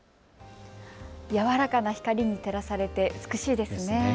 柔らかな光に照らされて美しいですね。